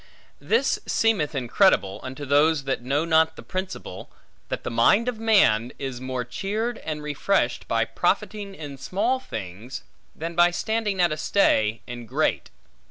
This seemeth incredible, unto those that know not the principle, that the mind of man, is more cheered and refreshed by profiting in small things, than by standing at a stay, in great.